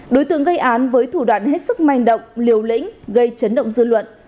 đối tượng gây án với thủ đoạn hết sức manh động liều lĩnh gây chấn động dư luận